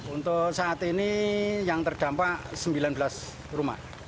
untuk saat ini yang terdampak sembilan belas rumah